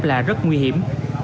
là rất nguy hiểm